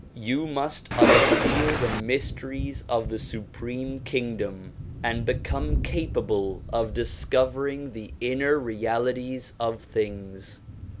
You must unseal the mysteries of the supreme kingdom and become capable of discovering the inner realities of things.